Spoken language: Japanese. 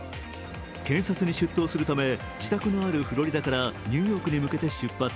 検察に出頭するため自宅のあるフロリダからニューヨークに向けて出発。